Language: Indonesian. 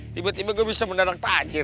tiba tiba gue bisa mendadak tajir